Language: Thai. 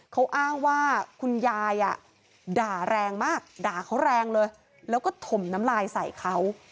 เขาอ้างว่าคุณยายด่าแรงมากด่าเขาแรงเลยแล้วก็ถมน้ำลายใส่เขา